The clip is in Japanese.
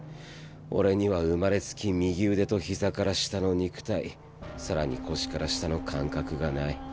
俺には生まれつき右腕と膝から下の肉体更に腰から下の感覚がない。